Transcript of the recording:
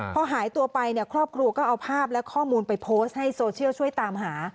พอหายตัวไปเนี่ยครอบครัวก็เอาภาพและข้อมูลไปโพสต์ให้โซเชียลช่วยตามหา